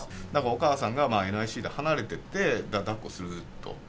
お母さんがＮＩＣＵから離れててだっこすると。